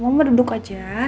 mama duduk aja